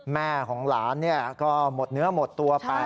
แม่ของหลานก็หมดเนื้อหมดตัวไป